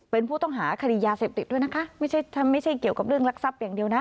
เป็นผู้ต้องหาคดียาเสพติดด้วยนะคะไม่ใช่ไม่ใช่เกี่ยวกับเรื่องรักทรัพย์อย่างเดียวนะ